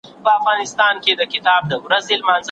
لمر پاڼې ته انرژي ورکوي.